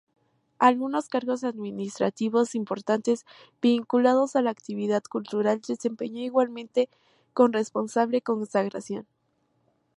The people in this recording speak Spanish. Algunos cargos administrativos importantes vinculados a la actividad cultural, desempeño igualmente con responsable consagración.